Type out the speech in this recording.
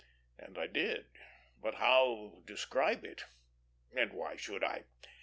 And I did; but how describe it and why should I?